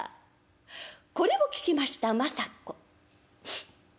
これを聞きました政子。